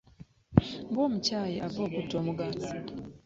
Ng;omukyawe ava okutta omuganzi .